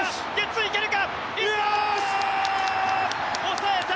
抑えた！